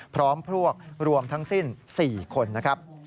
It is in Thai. พร้อมพวกรวมทั้งสิ้น๔คนนะครับ